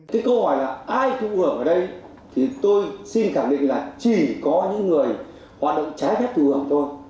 cái câu hỏi là ai thu hưởng ở đây thì tôi xin khẳng định là chỉ có những người hoạt động trái phép thù hưởng thôi